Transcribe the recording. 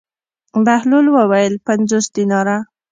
بهلول وویل: پنځوس دیناره.